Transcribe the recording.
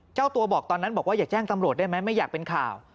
เจ้าตัวบอกตอนนั้นบอกว่าอย่าแจ้งตำรวจได้ไหมไม่อยากเป็นข่าว